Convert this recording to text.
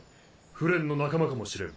フレンの仲間かもしれん。